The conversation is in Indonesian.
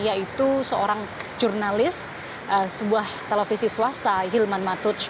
yaitu seorang jurnalis sebuah televisi swasta hilman matuj